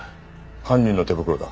犯人の手袋だ。